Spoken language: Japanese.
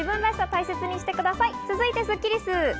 続いてスッキりす。